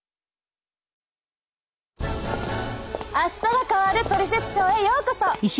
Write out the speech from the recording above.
「あしたが変わるトリセツショー」へようこそ。